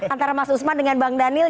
antara mas usman dengan bang daniel